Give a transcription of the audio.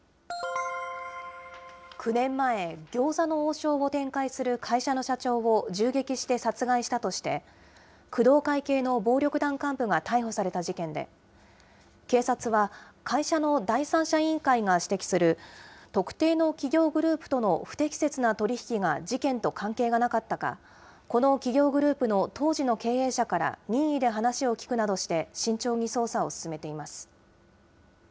９年前、餃子の王将を展開する会社の社長を銃撃して殺害したとして、工藤会系の暴力団幹部が逮捕された事件で、警察は、会社の第三者委員会が指摘する特定の企業グループとの不適切な取り引きが事件と関係がなかったか、この企業グループの当時の経営者から任意で話を聴くなどして慎重に捜査を進めています。